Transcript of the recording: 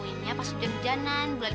ukuran air rusuhnya dir nitest